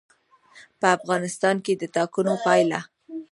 په افغانستان کې د ټاکنو پایله.